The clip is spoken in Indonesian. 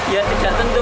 ya tidak tentu